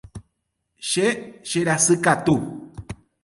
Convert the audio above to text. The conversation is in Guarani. Che cherasykatu.